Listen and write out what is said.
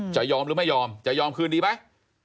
จะยอมหรือไม่ยอมจะยอมคืนดีไหม